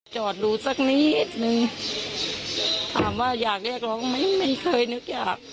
จอดดูสักนิดนึงถามว่าอยากเรียกร้องไหมไม่เคยนึกอยาก